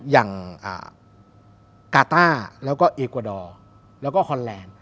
อย่างกาต้าแล้วก็เอกวาดอร์แล้วก็ฮอนแลนด์